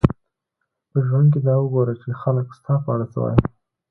په ژوند کښي دا وګوره، چي خلک ستا په اړه څه وايي.